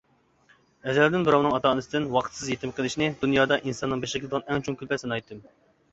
ئەزەلدىن بىراۋنىڭ ئاتا-ئانىسىدىن ۋاقىتسىز يېتىم قېلىشىنى دۇنيادا ئىنساننىڭ بېشىغا كېلىدىغان ئەڭ چوڭ كۈلپەت سانايتتىم.